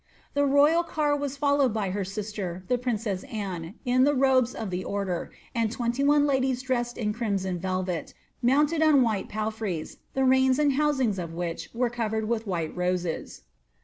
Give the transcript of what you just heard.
The royal car was followed by her sister, the priii i> Annr, in the robes of the order, and tweniy one ladies dressed iii "inaoa velvet, mounted on while palfreys, the reins and housings at ' ith irere covered with white roses.